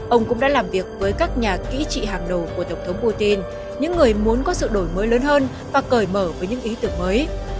ông cũng đã làm việc với các nhà kỹ trị hàng đầu của tổng thống putin những người muốn có sự đổi mới lớn hơn và cởi mở với những ý tưởng mới